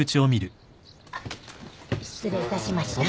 失礼いたしました。